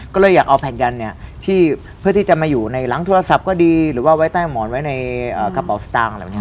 ก็เลยอยากเอาแผ่นยันเนี่ยที่เพื่อที่จะมาอยู่ในหลังโทรศัพท์ก็ดีหรือว่าไว้ใต้หมอนไว้ในกระเป๋าสตางค์อะไรแบบนี้